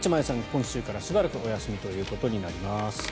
今週からしばらくお休みとなります。